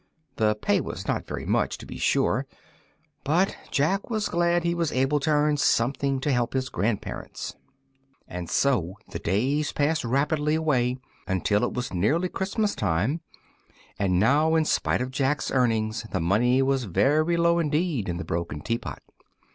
The pay was not very much, to be sure, but Jack was glad that he was able to earn something to help his grandparents. And so the days passed rapidly away until it was nearly Christmas time, and now, in spite of Jack's earnings, the money was very low indeed in the broken teapot.